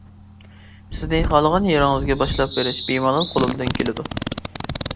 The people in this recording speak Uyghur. سىزنى خالىغان يېرىڭىزگە باشلاپ بېرىش بىمالال قولۇمدىن كېلىدۇ.